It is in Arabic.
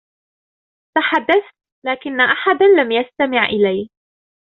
تحدثت، لكن أحدا لم يستمع إلي.